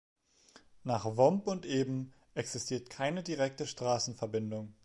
Nach Vomp und Eben existiert keine direkte Straßenverbindung.